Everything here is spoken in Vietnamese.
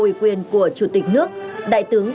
ủy quyền của chủ tịch nước đại tướng